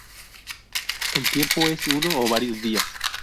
El tiempo es uno o varios días.